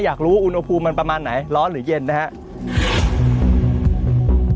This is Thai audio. อยากรู้อุณหภูมิมันประมาณไหนร้อนหรือเย็นนะครับ